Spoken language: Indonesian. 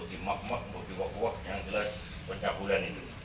yang jelas pencapulan ini